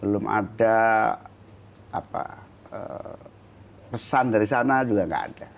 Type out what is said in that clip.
belum ada pesan dari sana juga nggak ada